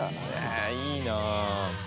いいな。